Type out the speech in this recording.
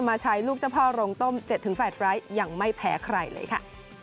มาใช้ลูกเจ้าพ่อโรงต้ม๗๘ไฟล์ทยังไม่แพ้ใครเลยค่ะ